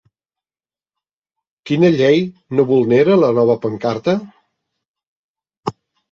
Quina llei no vulnera la nova pancarta?